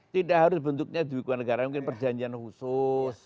tidak harus bentuknya duit keluarga negara ini mungkin perjanjian khusus